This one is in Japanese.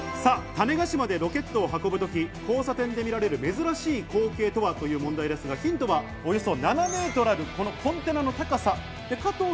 種子島でロケットを運ぶとき、交差点で見られる珍しい光景とは？という問題ですが、ヒントはおよそ７メートルあるこのコンテナの高さ。